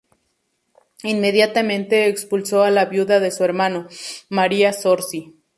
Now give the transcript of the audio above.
Inmediatamente expulsó a la viuda de su hermano, María Zorzi.